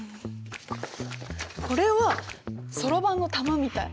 これはそろばんの玉みたい。